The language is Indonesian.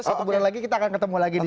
satu bulan lagi kita akan ketemu lagi disini